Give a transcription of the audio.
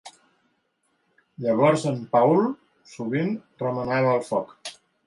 Llavors en Paul sovint remenava el foc.